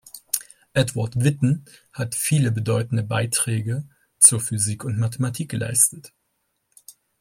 Edward Witten hat viele bedeutende Beiträge zur Physik und Mathematik geleistet.